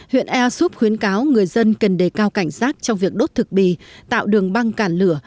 huyện ea súp khuyến cáo người dân cần đề cao cảnh sát trong việc đốt thực bì tạo đường băng cản lửa